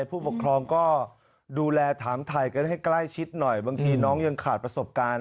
ผู้ปกครองก็ดูแลถามถ่ายกันให้ใกล้ชิดหน่อยบางทีน้องยังขาดประสบการณ์